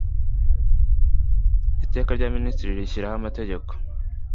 iteka rya minisitiri rishyiraho amategeko